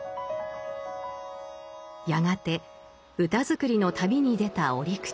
やがて歌作りの旅に出た折口。